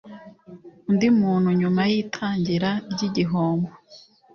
Undi muntu nyuma y itangira ry igihombo